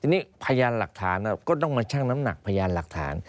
ทีนี้พยานหลักฐานก็ต้องมาชั่งน้ำหนักพยานหลักฐาน